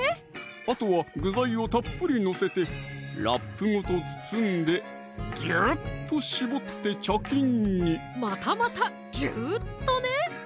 あとは具材をたっぷり載せてラップごと包んでギューッと絞って茶巾にまたまたギューッとね！